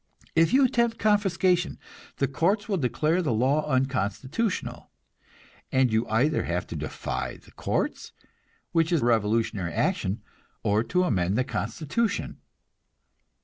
If you attempt confiscation, the courts will declare the law unconstitutional; and you either have to defy the courts, which is revolutionary action, or to amend the constitution.